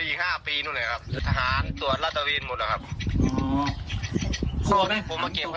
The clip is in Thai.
อยู่แประมาณน้อยเมตรนี้บ้างครับ